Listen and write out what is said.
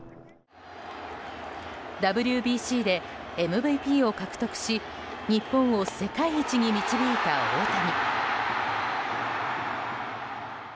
ＷＢＣでＭＶＰを獲得し日本を世界一に導いた大谷。